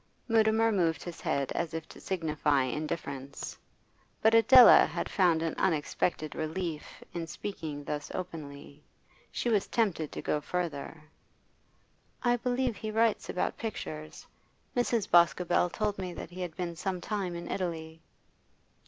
Mutimer moved his head as if to signify indifference. But Adela had found an unexpected relief in speaking thus openly; she was tempted to go further. 'I believe he writes about pictures. Mrs. Boscobel told me that he had been some time in Italy.